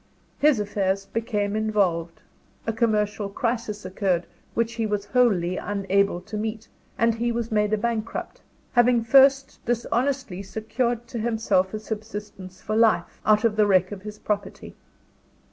His affairs became involved; a commercial crisis occurred, which he was wholly unable to meet; and he was made a bankrupt, having first dishonestly secured to himself a subsistence for life, out of the wreck of his property.